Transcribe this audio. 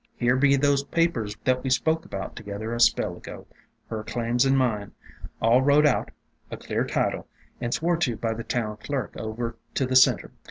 "Here be those papers that we spoke about to gether a spell ago, her claims and mine, all wrote out, a clear title, and swore to by the town clerk over to the Center.